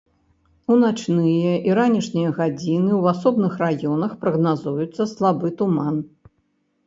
У начныя і ранішнія гадзіны ў асобных раёнах прагназуецца слабы туман.